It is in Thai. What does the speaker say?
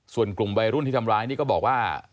ส่วนกลุ่มวัยรุ่นที่ทำร้ายนี่ก็บอกว่า